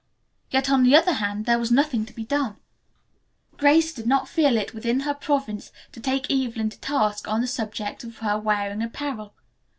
Yet on the other hand, there was nothing to be done. Grace did not feel it within her province to take Evelyn to task on the subject of her wearing apparel.